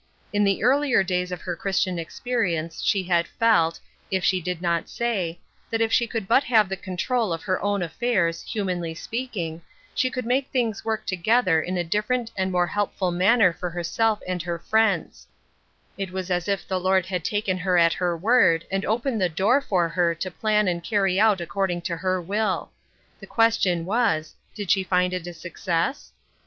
In the earlier days of her Christian experience she had felt, if she did not say, that if she could but have the control of her own affairs, humanly speaking, she could make things work together in a different and more helpful manner for herself and her friends^. 894 Ruth Erskine'a Crosset* It was as if the Lord had taken her at her word and opened the door for her to plan and carry out according to her will. The question was, Did she find it a success